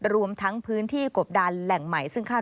สวัสดีครับทุกคน